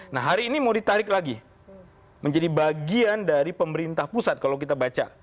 nah hari ini mau ditarik lagi menjadi bagian dari pemerintah pusat kalau kita baca